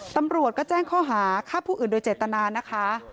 ตำรวจก็แจ้งข้อหาฆ่าผู้อื่นโดยเจตนานะคะ